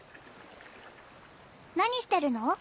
何してるの？